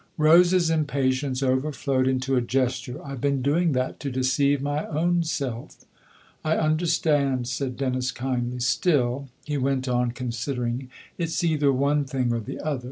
Rose's impatience overflowed into a gesture* " I've been doing that to deceive my own self !" "I understand," said Dennis kindly. "Still," he went on, considering, "it's either one thing or the other.